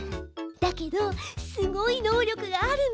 だけどすごい能力があるの。